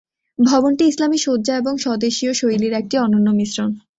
ভবনটি ইসলামি সজ্জা এবং স্বদেশীয় শৈলীর একটি অনন্য মিশ্রণ।